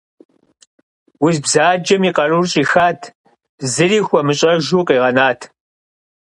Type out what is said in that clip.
Уз бзаджэм и къарур щӀихат, зыри хуэмыщӀэжу къигъэнат.